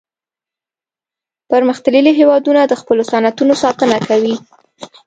پرمختللي هیوادونه د خپلو صنعتونو ساتنه کوي